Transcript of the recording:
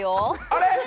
あれ？